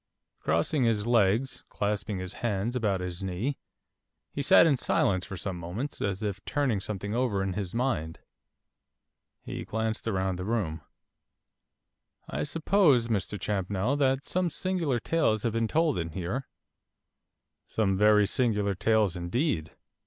Crossing his legs, clasping his hands about his knee, he sat in silence for some moments, as if turning something over in his mind. He glanced round the room. 'I suppose, Mr Champnell, that some singular tales have been told in here.' 'Some very singular tales indeed.